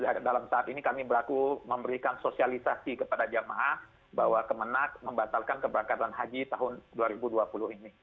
jadi dalam saat ini kami beraku memberikan sosialisasi kepada jemaah bahwa kemenat membatalkan keberangkatan haji tahun dua ribu dua puluh ini